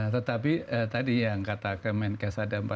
tetapi tadi yang kata kemenkes ada empat ratus ribu